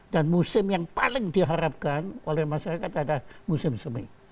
dan musim yang paling diharapkan oleh masyarakat adalah musim semi